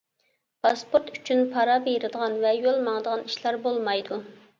پاسپورت ئۈچۈن پارا بېرىدىغان ۋە يول ماڭىدىغان ئىشلار بولمايدۇ.